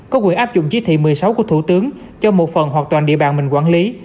có quyền áp dụng chí thị một mươi sáu của thủ tướng cho một phần hoặc toàn địa bàn mình quản lý